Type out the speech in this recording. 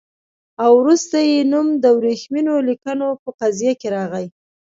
او وروسته یې نوم د ورېښمینو لیکونو په قضیه کې راغی.